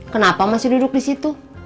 kenapa masih duduk disitu